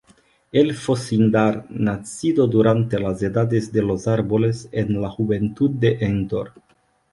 Elfo Sindar nacido durante las Edades de los Árboles, en la juventud de Endor.